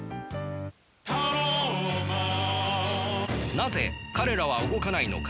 なぜ彼らは動かないのか。